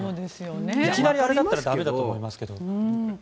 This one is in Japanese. いきなりあれだったら駄目だと思いますが。